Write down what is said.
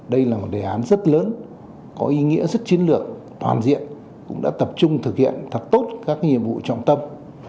đây là một đề án rất lớn có ý nghĩa rất chiến lược toàn diện cũng đã tập trung thực hiện thật tốt các nhiệm vụ trọng tâm